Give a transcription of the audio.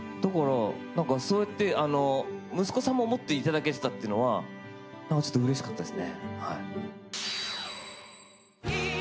だからそうやって息子さんも思っていただけていたというのはちょっとうれしかったですね。